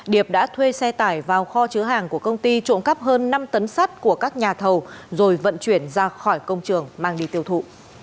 điệp đã thuê xe tải vào kho chứa hàng của công ty trộm cắp hơn năm tấn sắt của các nhà thầu rồi vận chuyển ra khỏi công trường mang đi tiêu thụ